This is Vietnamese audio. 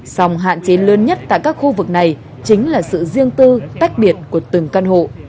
sòng hạn chế lớn nhất tại các khu vực này chính là sự riêng tư tách biệt của từng căn hộ